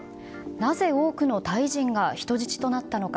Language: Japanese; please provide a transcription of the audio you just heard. なぜ、多くのタイ人が人質となったのか。